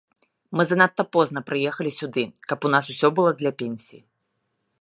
Мы занадта позна прыехалі сюды, каб у нас усё было для пенсіі.